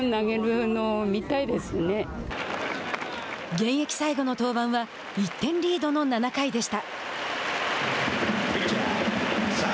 現役最後の登板は１点リードの７回でした。